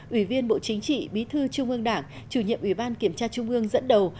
ủy viên bộ chính trị bí thư trung ương đảng chủ nhiệm ủy ban kiểm tra trung ương dẫn đầu